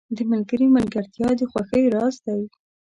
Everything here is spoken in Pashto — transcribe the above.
• د ملګري ملګرتیا د خوښیو راز دی.